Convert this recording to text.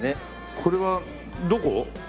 これはどこ？